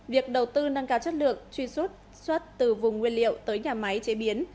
việc đầu tư nâng cao chất lượng truy xuất xuất từ vùng nguyên liệu tới nhà máy chế biến